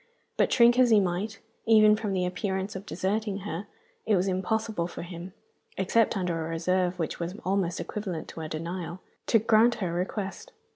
But shrink as he might, even from the appearance of deserting her, it was impossible for him (except under a reserve which was almost equivalent to a denial) to grant her request.